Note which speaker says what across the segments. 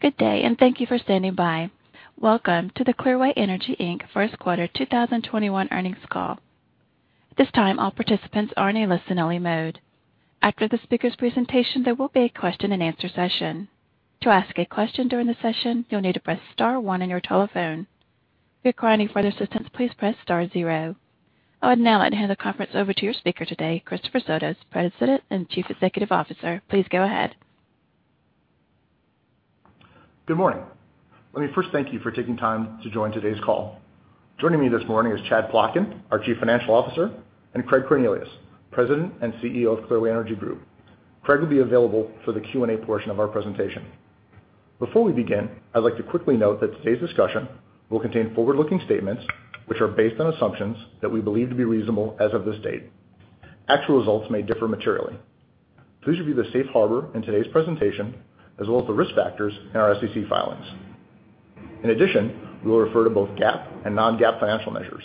Speaker 1: Good day, and thank you for standing by. Welcome to the Clearway Energy, Inc. First Quarter 2021 Earnings Call. This time all participants are in a listen-only mode. After the speakers' presentation there will be a question-and-answer session. To ask a question during the session, you need to press star one in your telephone. If required any further assistance, please press star zero. I would now hand the conference over to your speaker today, Christopher Sotos, President and Chief Executive Officer. Please go ahead.
Speaker 2: Good morning. Let me first thank you for taking time to join today's call. Joining me this morning is Chad Plotkin, our Chief Financial Officer, and Craig Cornelius, President and CEO of Clearway Energy Group. Craig will be available for the Q&A portion of our presentation. Before we begin, I'd like to quickly note that today's discussion will contain forward-looking statements which are based on assumptions that we believe to be reasonable as of this date. Actual results may differ materially. Please review the safe harbor in today's presentation, as well as the risk factors in our SEC filings. In addition, we will refer to both GAAP and non-GAAP financial measures.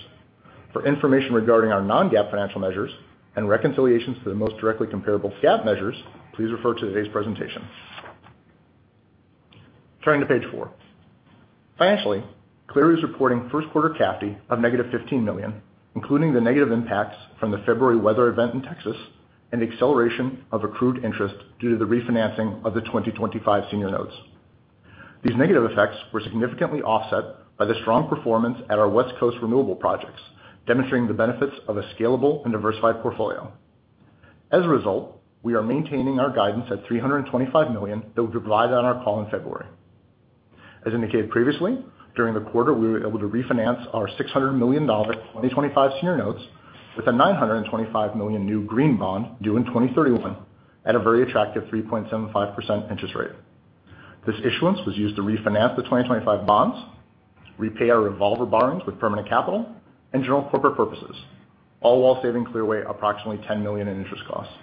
Speaker 2: For information regarding our non-GAAP financial measures and reconciliations to the most directly comparable GAAP measures, please refer to today's presentation. Turning to page four. Financially, Clearway is reporting first quarter CAFD of negative $15 million, including the negative impacts from the February weather event in Texas and the acceleration of accrued interest due to the refinancing of the 2025 senior notes. These negative effects were significantly offset by the strong performance at our West Coast renewable projects, demonstrating the benefits of a scalable and diversified portfolio. As a result, we are maintaining our guidance at $325 million that we provided on our call in February. As indicated previously, during the quarter, we were able to refinance our $600 million 2025 senior notes with a $925 million new green bond due in 2031 at a very attractive 3.75% interest rate. This issuance was used to refinance the 2025 bonds, repay our revolver borrowings with permanent capital, and general corporate purposes, all while saving Clearway approximately $10 million in interest costs.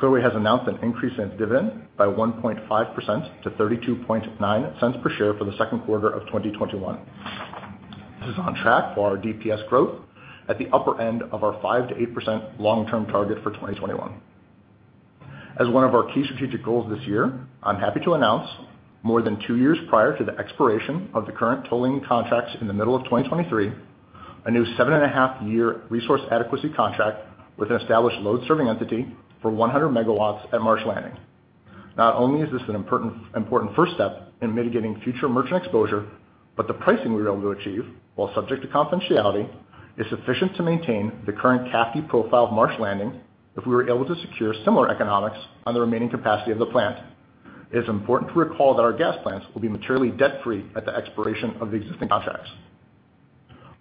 Speaker 2: Clearway has announced an increase in its dividend by 1.5% to $0.329 per share for the second quarter of 2021. This is on track for our DPS growth at the upper end of our 5%-8% long-term target for 2021. As one of our key strategic goals this year, I'm happy to announce more than two years prior to the expiration of the current tolling contracts in the middle of 2023, a new 7.5 year resource adequacy contract with an established load-serving entity for 100 megawatts at Marsh Landing. Not only is this an important first step in mitigating future merchant exposure, but the pricing we were able to achieve, while subject to confidentiality, is sufficient to maintain the current CAFD profile of Marsh Landing if we were able to secure similar economics on the remaining capacity of the plant. It is important to recall that our gas plants will be materially debt-free at the expiration of the existing contracts.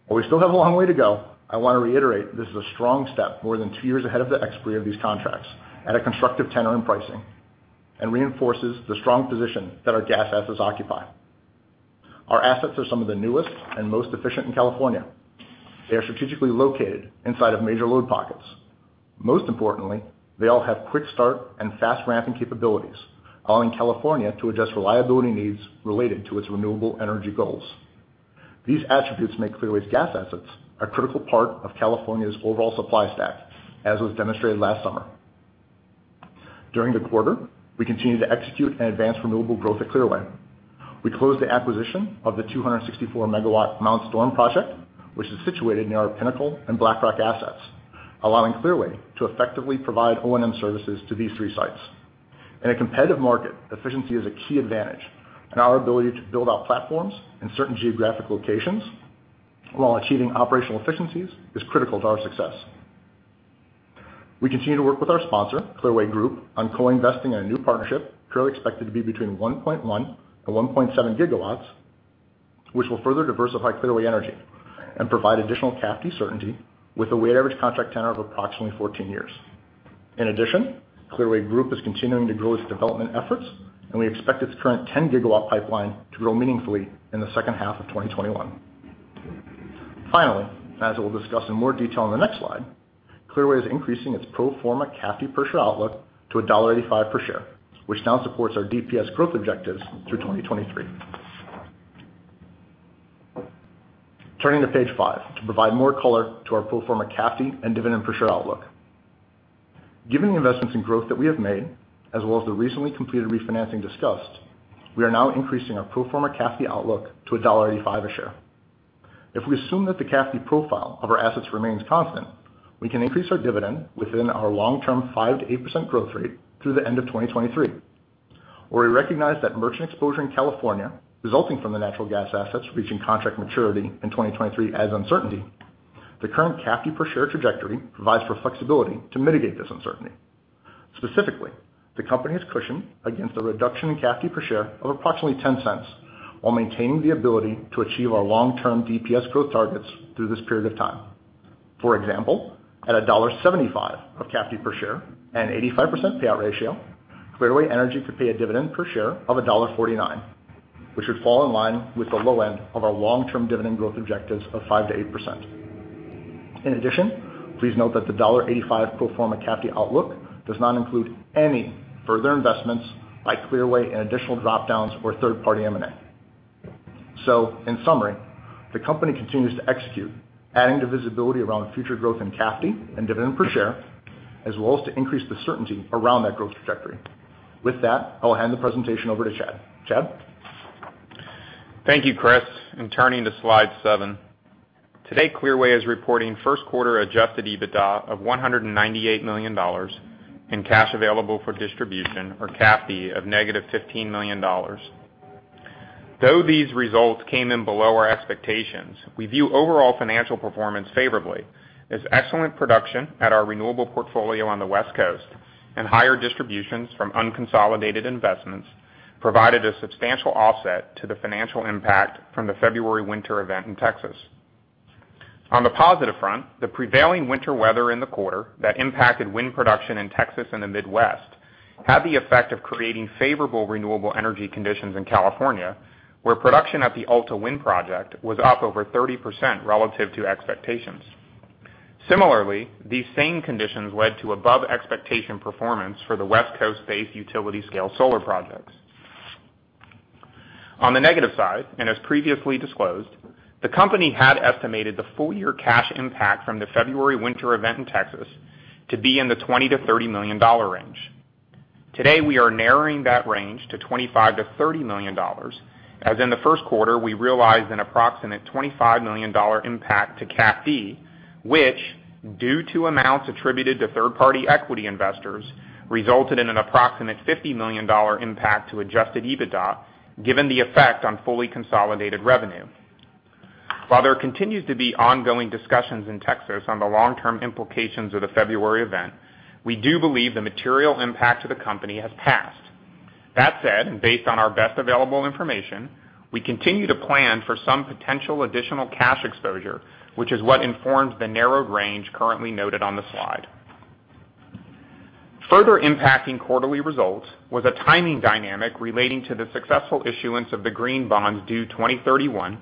Speaker 2: While we still have a long way to go, I want to reiterate this is a strong step more than two years ahead of the expiry of these contracts at a constructive tenor in pricing and reinforces the strong position that our gas assets occupy. Our assets are some of the newest and most efficient in California. They are strategically located inside of major load pockets. Most importantly, they all have quick start and fast ramping capabilities, allowing California to adjust reliability needs related to its renewable energy goals. These attributes make Clearway's gas assets a critical part of California's overall supply stack, as was demonstrated last summer. During the quarter, we continued to execute and advance renewable growth at Clearway. We closed the acquisition of the 264 MW Mount Storm project, which is situated near our Pinnacle and Black Rock assets, allowing Clearway to effectively provide O&M services to these three sites. In a competitive market, efficiency is a key advantage, and our ability to build out platforms in certain geographic locations while achieving operational efficiencies is critical to our success. We continue to work with our sponsor, Clearway Group, on co-investing in a new partnership currently expected to be between 1.1 GW and 1.7 GW, which will further diversify Clearway Energy and provide additional CAFD certainty with a weighted average contract tenor of approximately 14 years. In addition, Clearway Group is continuing to grow its development efforts, and we expect its current 10 GW pipeline to grow meaningfully in the second half of 2021. As we'll discuss in more detail on the next slide, Clearway is increasing its pro forma CAFD per share outlook to $1.85 per share, which now supports our DPS growth objectives through 2023. Turning to page five to provide more color to our pro forma CAFD and dividend per share outlook. Given the investments and growth that we have made, as well as the recently completed refinancing discussed, we are now increasing our pro forma CAFD outlook to $1.85 a share. If we assume that the CAFD profile of our assets remains constant, we can increase our dividend within our long-term 5%-8% growth rate through the end of 2023. While we recognize that merchant exposure in California resulting from the natural gas assets reaching contract maturity in 2023 adds uncertainty, the current CAFD per share trajectory provides for flexibility to mitigate this uncertainty. Specifically, the company is cushioned against a reduction in CAFD per share of approximately $0.10 while maintaining the ability to achieve our long-term DPS growth targets through this period of time. For example, at $1.75 of CAFD per share and 85% payout ratio, Clearway Energy could pay a dividend per share of $1.49, which would fall in line with the low end of our long-term dividend growth objectives of 5%-8%. In addition, please note that the $1.85 pro forma CAFD outlook does not include any further investments by Clearway in additional drop-downs or third-party M&A. In summary, the company continues to execute, adding to visibility around the future growth in CAFD and dividend per share, as well as to increase the certainty around that growth trajectory. With that, I'll hand the presentation over to Chad. Chad?
Speaker 3: Thank you, Chris. Turning to slide seven. Today, Clearway is reporting first quarter adjusted EBITDA of $198 million in cash available for distribution or CAFD of negative $15 million. Though these results came in below our expectations, we view overall financial performance favorably as excellent production at our renewable portfolio on the West Coast and higher distributions from unconsolidated investments provided a substantial offset to the financial impact from the February winter event in Texas. On the positive front, the prevailing winter weather in the quarter that impacted wind production in Texas and the Midwest had the effect of creating favorable renewable energy conditions in California, where production at the Alta Wind project was up over 30% relative to expectations. Similarly, these same conditions led to above-expectation performance for the West Coast-based utility scale solar projects. On the negative side, as previously disclosed, the company had estimated the full-year cash impact from the February winter event in Texas to be in the $20 million-$30 million range. Today, we are narrowing that range to $25 million-$30 million. As in the first quarter, we realized an approximate $25 million impact to CAFD, which, due to amounts attributed to third-party equity investors, resulted in an approximate $50 million impact to adjusted EBITDA given the effect on fully consolidated revenue. While there continues to be ongoing discussions in Texas on the long-term implications of the February event, we do believe the material impact to the company has passed. That said, based on our best available information, we continue to plan for some potential additional cash exposure, which is what informs the narrowed range currently noted on the slide. Further impacting quarterly results was a timing dynamic relating to the successful issuance of the green bonds due 2031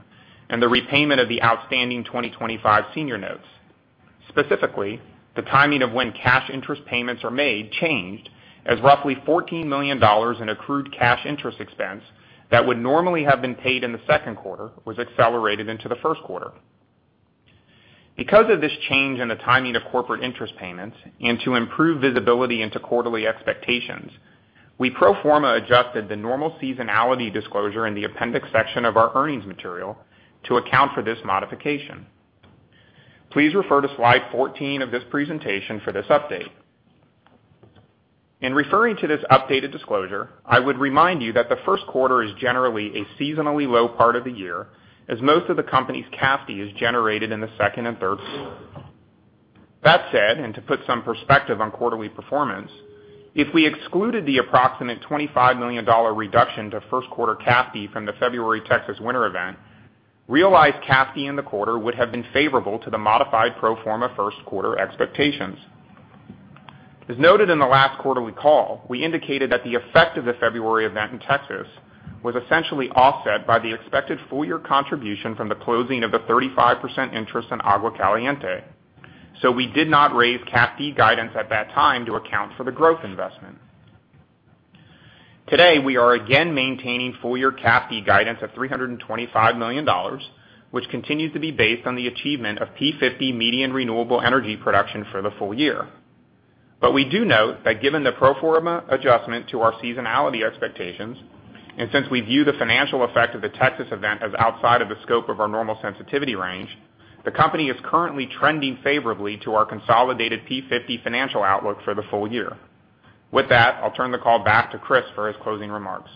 Speaker 3: and the repayment of the outstanding 2025 senior notes. Specifically, the timing of when cash interest payments are made changed as roughly $14 million in accrued cash interest expense that would normally have been paid in the second quarter was accelerated into the first quarter. Because of this change in the timing of corporate interest payments and to improve visibility into quarterly expectations, we pro forma adjusted the normal seasonality disclosure in the appendix section of our earnings material to account for this modification. Please refer to slide 14 of this presentation for this update. In referring to this updated disclosure, I would remind you that the first quarter is generally a seasonally low part of the year, as most of the company's CAFD is generated in the second and third quarters. That said, and to put some perspective on quarterly performance, if we excluded the approximate $25 million reduction to first quarter CAFD from the February Texas winter event, realized CAFD in the quarter would have been favorable to the modified pro forma first quarter expectations. We did not raise CAFD guidance at that time to account for the growth investment. Today, we are again maintaining full-year CAFD guidance of $325 million, which continues to be based on the achievement of P50 median renewable energy production for the full year. We do note that given the pro forma adjustment to our seasonality expectations, and since we view the financial effect of the Texas event as outside of the scope of our normal sensitivity range, the company is currently trending favorably to our consolidated P50 financial outlook for the full year. With that, I'll turn the call back to Chris for his closing remarks.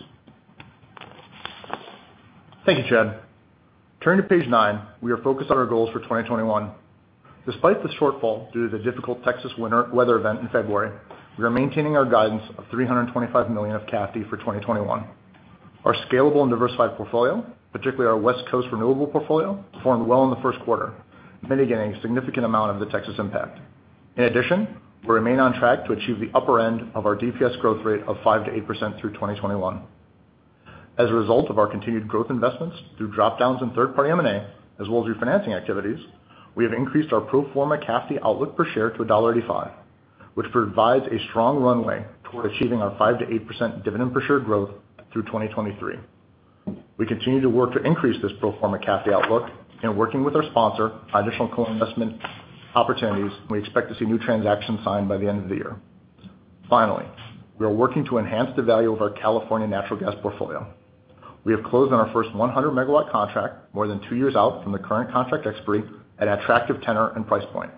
Speaker 2: Thank you, Chad. Turning to page nine, we are focused on our goals for 2021. Despite the shortfall due to the difficult Texas winter weather event in February, we are maintaining our guidance of $325 million of CAFD for 2021. Our scalable and diversified portfolio, particularly our West Coast renewable portfolio, performed well in the first quarter, mitigating a significant amount of the Texas impact. In addition, we remain on track to achieve the upper end of our DPS growth rate of 5%-8% through 2021. As a result of our continued growth investments through drop-downs and third-party M&A, as well as refinancing activities, we have increased our pro forma CAFD outlook per share to $1.85, which provides a strong runway toward achieving our 5%-8% dividend per share growth through 2023. We continue to work to increase this pro forma CAFD outlook, and working with our sponsor on additional co-investment opportunities, we expect to see new transactions signed by the end of the year. Finally, we are working to enhance the value of our California natural gas portfolio. We have closed on our first 100 MW contract more than two years out from the current contract expiry at an attractive tenor and price point.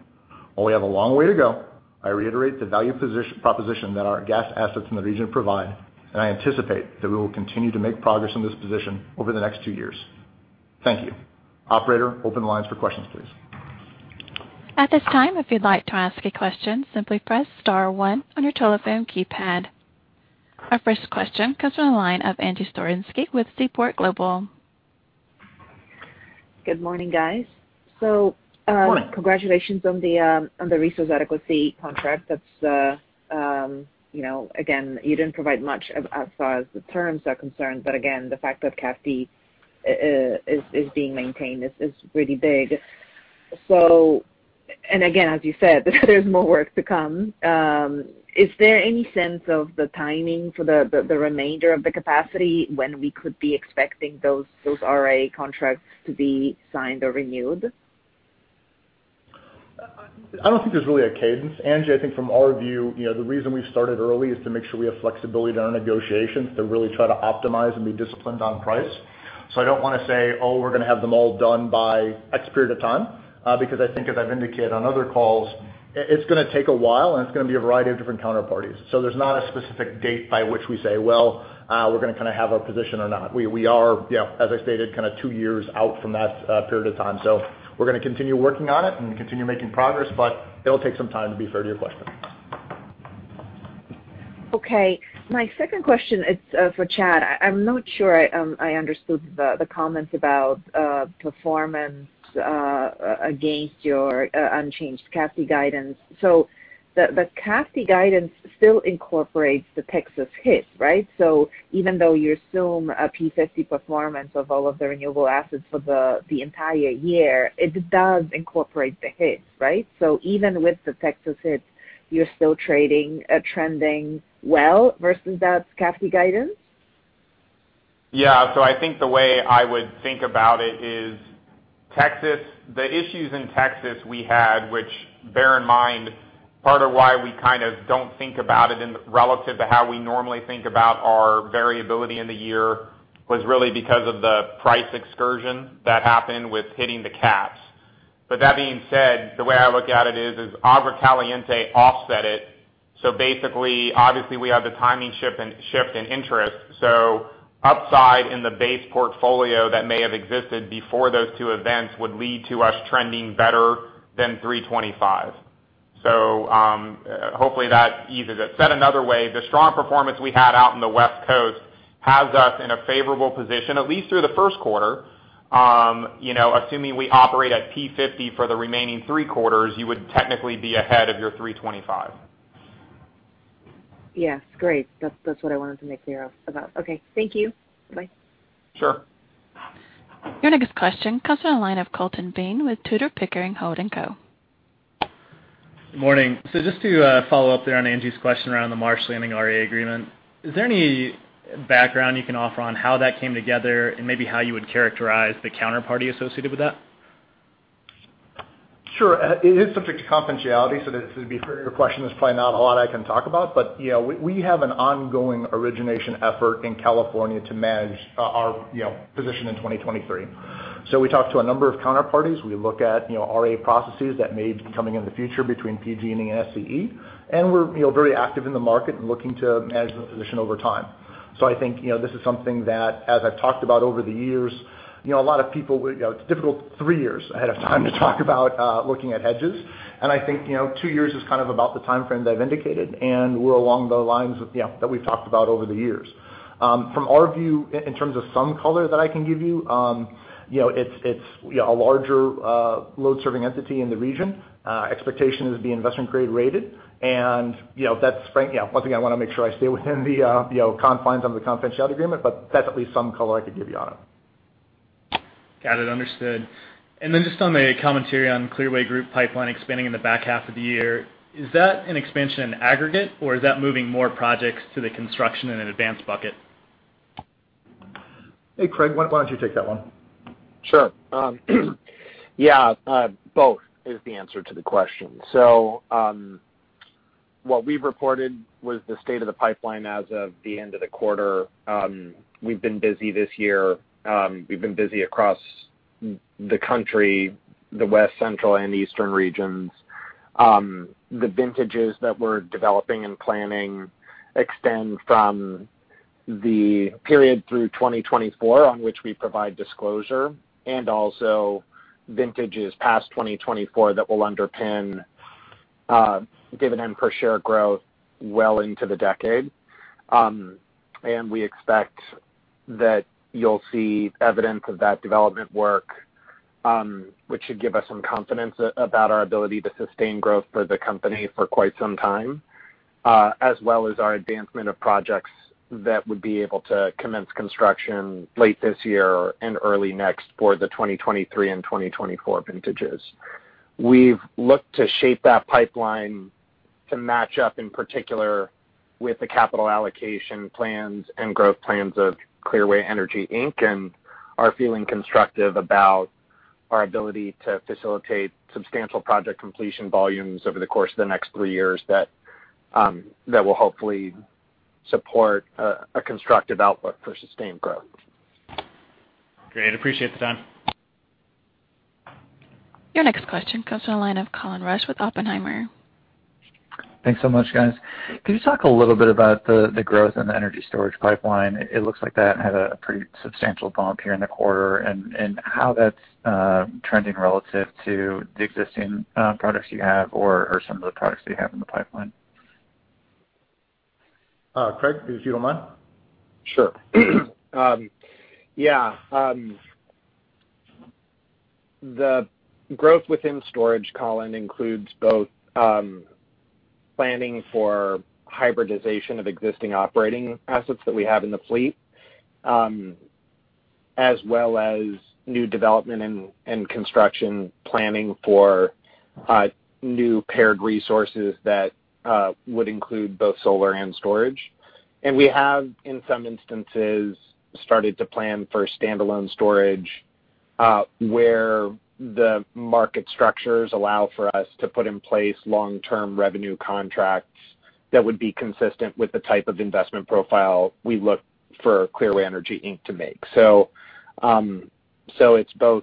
Speaker 2: While we have a long way to go, I reiterate the value proposition that our gas assets in the region provide, and I anticipate that we will continue to make progress in this position over the next two years. Thank you. Operator, open the lines for questions, please.
Speaker 1: At this time, if you'd like to ask a question, simply press star one on your telephone keypad. Our first question comes from the line of Angie Storozynski with Seaport Global.
Speaker 4: Good morning, guys.
Speaker 2: Good Morning.
Speaker 4: Congratulations on the resource adequacy contract. Again, you didn't provide much as far as the terms are concerned, but again, the fact that CAFD is being maintained is really big. again, as you said, there's more work to come. Is there any sense of the timing for the remainder of the capacity when we could be expecting those RA contracts to be signed or renewed?
Speaker 2: I don't think there's really a cadence. Angie, I think from our view, the reason we've started early is to make sure we have flexibility in our negotiations to really try to optimize and be disciplined on price. I don't want to say, oh, we're going to have them all done by X period of time, because I think as I've indicated on other calls, it's going to take a while, and it's going to be a variety of different counterparties. There's not a specific date by which we say, well, we're going to kind of have a position or not. We are, as I stated, kind of two years out from that period of time. We're going to continue working on it and continue making progress, but it'll take some time to be fair to your question.
Speaker 4: Okay. My second question is for Chad. I'm not sure I understood the comments about performance against your unchanged CAFD guidance. The CAFD guidance still incorporates the Texas hit, right? Even though you assume a P50 performance of all of the renewable assets for the entire year, it does incorporate the hit, right? Even with the Texas hits, you're still trending well versus that CAFD guidance?
Speaker 3: Yeah. I think the way I would think about it is the issues in Texas we had, which bear in mind, part of why we kind of don't think about it relative to how we normally think about our variability in the year, was really because of the price excursion that happened with hitting the caps. That being said, the way I look at it is Agua Caliente offset it. Basically, obviously, we have the timing shift in interest. Upside in the base portfolio that may have existed before those two events would lead to us trending better than $325. Hopefully that eases it. Said another way, the strong performance we had out in the West Coast has us in a favorable position, at least through the first quarter. Assuming we operate at P50 for the remaining three quarters, you would technically be ahead of your $325.
Speaker 4: Yes. Great. That's what I wanted to make clear about. Okay. Thank you. Bye.
Speaker 3: Sure.
Speaker 1: Your next question comes on the line of Colton Bean with Tudor, Pickering, Holt & Co.
Speaker 5: Good morning. Just to follow up there on Angie's question around the Marsh Landing RA agreement, is there any background you can offer on how that came together and maybe how you would characterize the counterparty associated with that?
Speaker 2: Sure. It is subject to confidentiality, so to be fair to your question, there's probably not a lot I can talk about. We have an ongoing origination effort in California to manage our position in 2023. We talked to a number of counterparties. We look at RA processes that may be coming in the future between PG&E and SCE. We're very active in the market and looking to manage the position over time. I think, this is something that, as I've talked about over the years, a lot of people, it's difficult three years ahead of time to talk about looking at hedges. I think, two years is kind of about the timeframe that I've indicated, and we're along the lines that we've talked about over the years. From our view, in terms of some color that I can give you, it's a larger load-serving entity in the region. Expectation is it being investment-grade rated, and once again, I want to make sure I stay within the confines of the confidentiality agreement, but that's at least some color I could give you on it.
Speaker 5: Got it. Understood. Then just on the commentary on Clearway Group pipeline expanding in the back half of the year, is that an expansion in aggregate, or is that moving more projects to the construction and an advanced bucket?
Speaker 2: Hey, Craig, why don't you take that one?
Speaker 6: Sure. Yeah, both is the answer to the question. What we've reported was the state of the pipeline as of the end of the quarter. We've been busy this year. We've been busy across the country, the West, Central, and Eastern regions. The vintages that we're developing and planning extend from the period through 2024 on which we provide disclosure, and also vintages past 2024 that will underpin dividend per share growth well into the decade. We expect that you'll see evidence of that development work, which should give us some confidence about our ability to sustain growth for the company for quite some time, as well as our advancement of projects that would be able to commence construction late this year or in early next for the 2023 and 2024 vintages. We've looked to shape that pipeline to match up in particular with the capital allocation plans and growth plans of Clearway Energy, Inc. and are feeling constructive about our ability to facilitate substantial project completion volumes over the course of the next three years that will hopefully support a constructive outlook for sustained growth.
Speaker 5: Great. Appreciate the time.
Speaker 1: Your next question comes from the line of Colin Rusch with Oppenheimer.
Speaker 7: Thanks so much, guys. Can you talk a little bit about the growth in the energy storage pipeline? It looks like that had a pretty substantial bump here in the quarter, and how that's trending relative to the existing products you have or some of the products that you have in the pipeline.
Speaker 2: Craig, if you don't mind.
Speaker 6: Sure. Yeah. The growth within storage, Colin, includes both planning for hybridization of existing operating assets that we have in the fleet. As well as new development and construction planning for new paired resources that would include both solar and storage. We have, in some instances, started to plan for standalone storage, where the market structures allow for us to put in place long-term revenue contracts that would be consistent with the type of investment profile we look for Clearway Energy, Inc. to make. It's both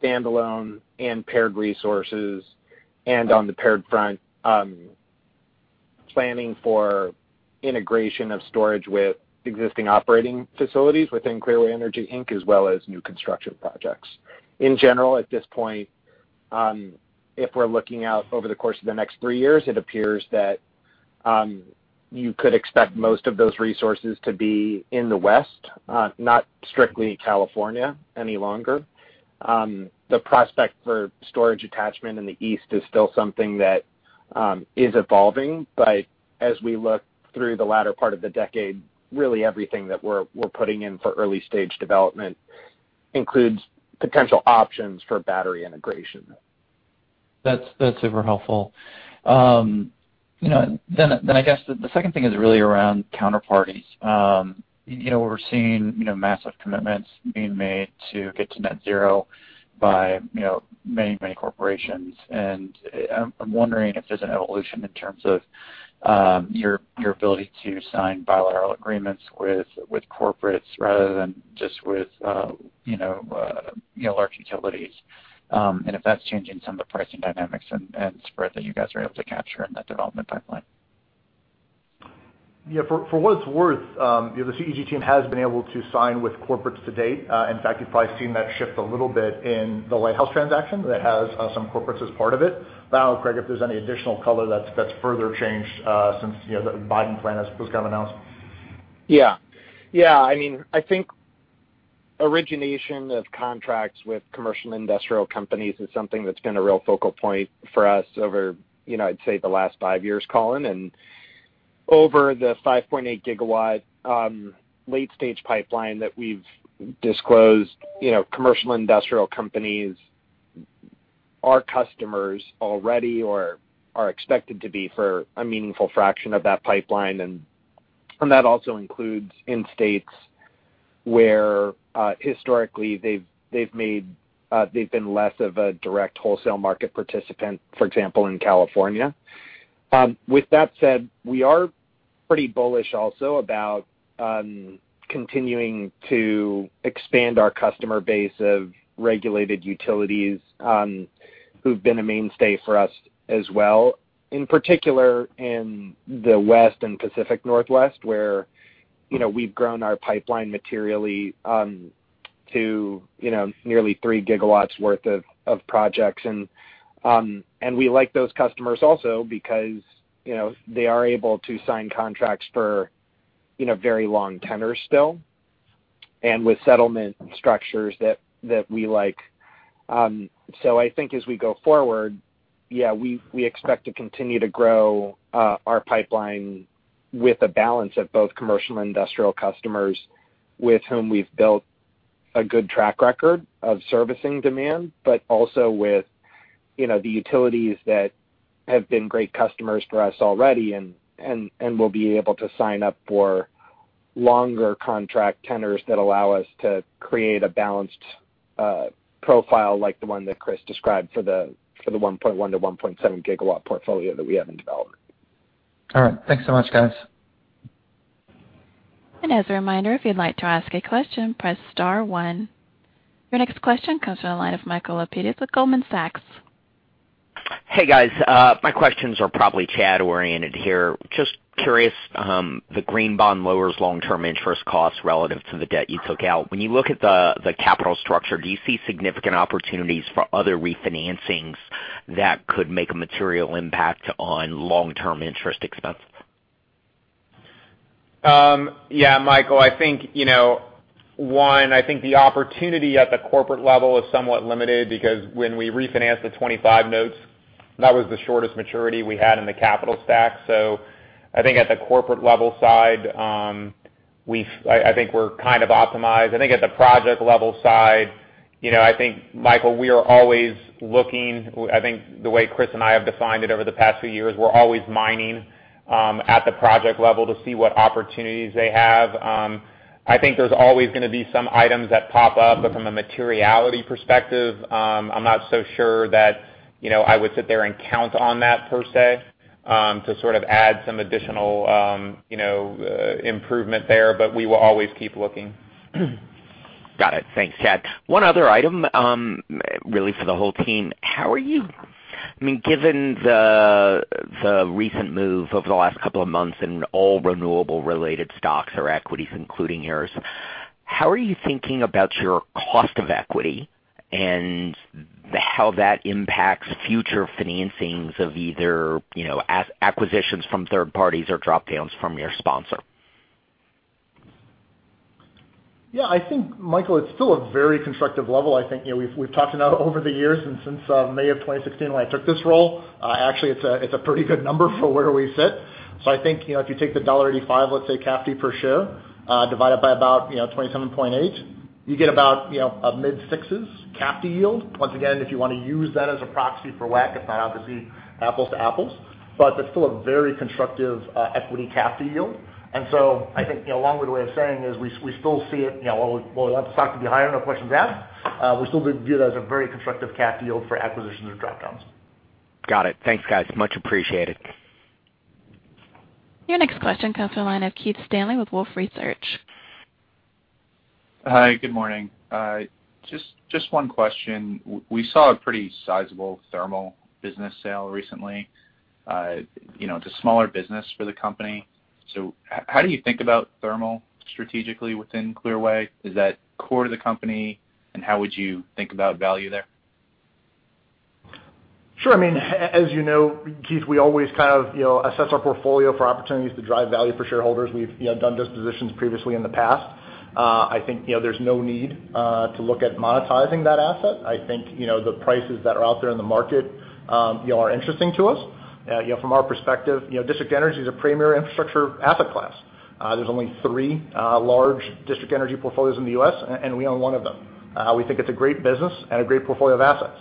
Speaker 6: standalone and paired resources, and on the paired front, planning for integration of storage with existing operating facilities within Clearway Energy, Inc., as well as new construction projects. In general, at this point, if we're looking out over the course of the next three years, it appears that you could expect most of those resources to be in the West, not strictly California any longer. The prospect for storage attachment in the East is still something that is evolving. As we look through the latter part of the decade, really everything that we're putting in for early-stage development includes potential options for battery integration.
Speaker 7: That's super helpful. I guess the second thing is really around counterparties. We're seeing massive commitments being made to get to net zero by many corporations, and I'm wondering if there's an evolution in terms of your ability to sign bilateral agreements with corporates rather than just with large utilities, and if that's changing some of the pricing dynamics and spread that you guys are able to capture in that development pipeline.
Speaker 2: Yeah. For what it's worth, the CEG team has been able to sign with corporates to date. In fact, you've probably seen that shift a little bit in the Lighthouse transaction that has some corporates as part of it. I don't know, Craig, if there's any additional color that's further changed since the Biden plan was announced.
Speaker 6: Yeah. I think origination of contracts with commercial industrial companies is something that's been a real focal point for us over, I'd say, the last five years, Colin. Over the 5.8 GW late-stage pipeline that we've disclosed, commercial industrial companies are customers already or are expected to be for a meaningful fraction of that pipeline. That also includes end states where historically they've been less of a direct wholesale market participant, for example, in California. With that said, we are pretty bullish also about continuing to expand our customer base of regulated utilities who've been a mainstay for us as well. In particular, in the West and Pacific Northwest, where we've grown our pipeline materially to nearly 3 GW worth of projects. We like those customers also because they are able to sign contracts for very long tenors still and with settlement structures that we like. I think as we go forward, yeah, we expect to continue to grow our pipeline with a balance of both commercial and industrial customers with whom we've built a good track record of servicing demand, but also with the utilities that have been great customers for us already and will be able to sign up for longer contract tenors that allow us to create a balanced profile like the one that Chris described for the 1.1 GW-1.7 GW portfolio that we have in development.
Speaker 7: All right. Thanks so much, guys.
Speaker 1: As a reminder, if you'd like to ask a question, press star one. Your next question comes from the line of Michael Lapides with Goldman Sachs.
Speaker 8: Hey, guys. My questions are probably Chad-oriented here. Just curious, the green bond lowers long-term interest costs relative to the debt you took out. When you look at the capital structure, do you see significant opportunities for other refinancings that could make a material impact on long-term interest expenses?
Speaker 3: Yeah, Michael. One, I think the opportunity at the corporate level is somewhat limited because when we refinanced the 25 notes, that was the shortest maturity we had in the capital stack. I think at the corporate level side, I think we're kind of optimized. I think at the project level side, I think, Michael, we are always looking. I think the way Chris and I have defined it over the past few years, we're always mining at the project level to see what opportunities they have. I think there's always going to be some items that pop up, from a materiality perspective, I'm not so sure that I would sit there and count on that per se to sort of add some additional improvement there. We will always keep looking.
Speaker 8: Got it. Thanks, Chad. One other item, really for the whole team. Given the recent move over the last couple of months in all renewable-related stocks or equities, including yours, how are you thinking about your cost of equity and how that impacts future financings of either acquisitions from third parties or drop-downs from your sponsor?
Speaker 2: Yeah, I think, Michael, it's still a very constructive level. We've talked about over the years and since May of 2016 when I took this role, actually, it's a pretty good number for where we sit. I think if you take the $1.85, let's say, CAFD per share, divide it by about 27.8, you get about a mid-6s cap to yield. Once again, if you want to use that as a proxy for WACC, it's not obviously apples to apples, but that's still a very constructive equity cap to yield. I think a longer way of saying is we still see it, while we'd love the stock to be higher, no questions asked, we still view it as a very constructive cap yield for acquisitions or drop-downs.
Speaker 8: Got it. Thanks, guys. Much appreciated.
Speaker 1: Your next question comes from the line of Keith Stanley with Wolfe Research.
Speaker 9: Hi, good morning. Just one question. We saw a pretty sizable thermal business sale recently. It's a smaller business for the company. How do you think about thermal strategically within Clearway? Is that core to the company, and how would you think about value there?
Speaker 2: Sure. As you know, Keith, we always assess our portfolio for opportunities to drive value for shareholders. We've done dispositions previously in the past. I think there's no need to look at monetizing that asset. I think, the prices that are out there in the market are interesting to us. From our perspective, district energy is a premier infrastructure asset class. There's only three large district energy portfolios in the U.S., and we own one of them. We think it's a great business and a great portfolio of assets.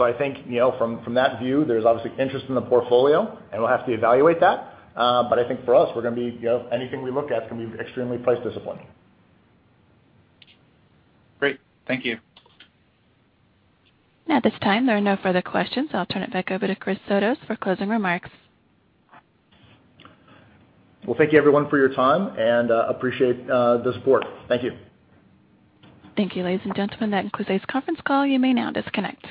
Speaker 2: I think, from that view, there's obviously interest in the portfolio, and we'll have to evaluate that. I think for us, anything we look at is going to be extremely price-disciplined.
Speaker 9: Great. Thank you.
Speaker 1: At this time, there are no further questions. I'll turn it back over to Chris Sotos for closing remarks.
Speaker 2: Well, thank you, everyone, for your time, and appreciate the support. Thank you.
Speaker 1: Thank you, ladies and gentlemen. That concludes today's conference call. You may now disconnect.